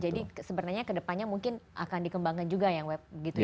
jadi sebenarnya ke depannya mungkin akan dikembangkan juga ya web begitu ya